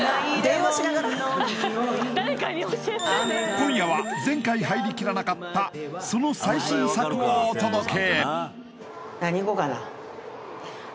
今夜は前回入りきらなかったその最新作をお届け！